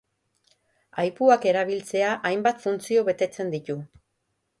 Aipuak erabiltzea hainbat funtzio betetzen ditu.